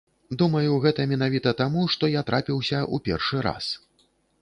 Думаю, гэта менавіта таму, што я трапіўся ў першы раз.